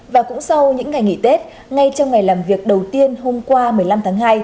và cũng sau những ngày nghỉ tết ngay trong ngày làm việc đầu tiên hôm qua một mươi năm tháng hai